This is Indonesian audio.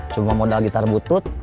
cuma modal gitar butut